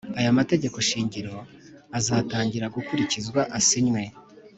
Aya mategeko shingiro azatangira gukurikizwa asinywe